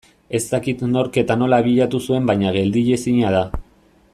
Ez dakit nork eta nola abiatuko zuen baina geldiezina da.